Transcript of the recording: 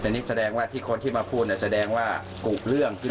แต่นี่แสดงว่าที่คนที่มาพูดแสดงว่ากุเรื่อง